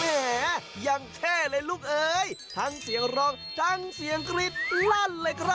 แล้วอย่างเยี่ยมเลยทั้งเสียงร้องทั้งเสียงจริงแล้วแกดมาเลยคร้ะ